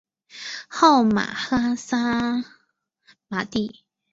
号玛哈萨嘛谛。